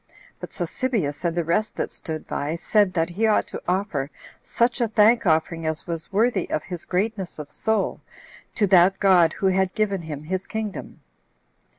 But Sosibius, and the rest that stood by, said that he ought to offer such a thank offering as was worthy of his greatness of soul, to that God who had given him his kingdom.